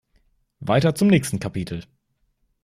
Weiter zum nächsten Kapitel.